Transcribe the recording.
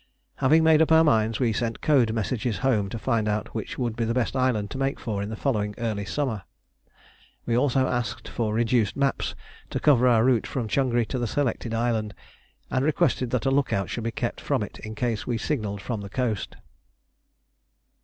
Having made up our minds, we sent code messages home to find out which would be the best island to make for in the following early summer. We also asked for reduced maps to cover our route from Changri to the selected island, and requested that a look out should be kept from it in case we signalled from the coast.